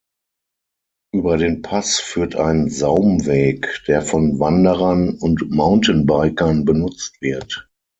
Über den Pass führt ein Saumweg, der von Wanderern und Mountainbikern benutzt wird.